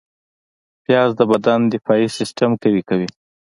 پیاز د بدن دفاعي سیستم قوي کوي